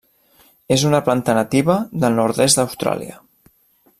És una planta nativa del nord-est d'Austràlia.